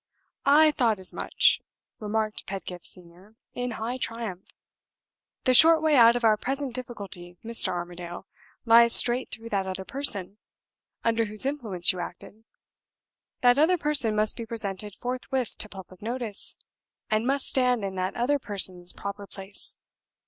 "I thought as much!" remarked Pedgift Senior, in high triumph. "The short way out of our present difficulty, Mr. Armadale, lies straight through that other person, under whose influence you acted. That other person must be presented forthwith to public notice, and must stand in that other person's proper place.